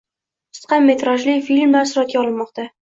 Qisqa metrajli filmlar suratga olinmoqda